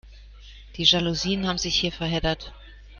Die Jalousien haben sich hier verheddert.